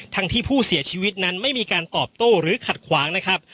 ทั้งที่ผู้เสียชีวิตนั้นไม่มีการตอบโต้หรือขัดขวางนะครับ